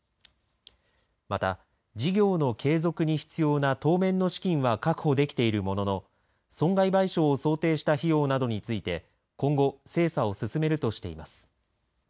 また、事業の継続に必要な当面の資金は確保できているものの損害賠償を想定した費用などについて今後精査を進めるとしています。